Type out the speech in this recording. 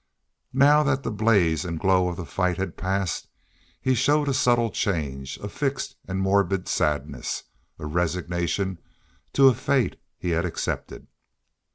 Now that the blaze and glow of the fight had passed he showed a subtle change, a fixed and morbid sadness, a resignation to a fate he had accepted.